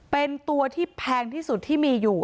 เป็นตัวที่แพงที่สุดที่มีอยู่